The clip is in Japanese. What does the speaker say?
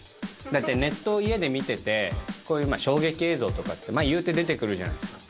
大体ネットを家で見てて、こういう衝撃映像とかって、いうて出てくるじゃないですか。